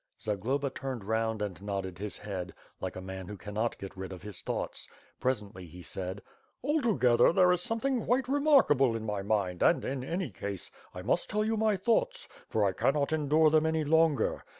Zagloba turned round and nodded his head, like a man who cannot get rid of his thoughts. Presently he said: "Altogether there is something quite remarkable in my mind and, in any case, I must tell you my thoughts, for T ran not endure them any longer.